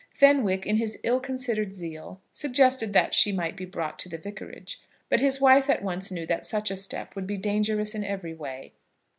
Fenwick, in his ill considered zeal, suggested that she might be brought to the Vicarage; but his wife at once knew that such a step would be dangerous in every way.